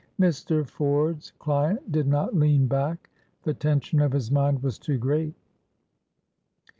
Mr. Ford's client did not lean back, the tension of his mind was too great.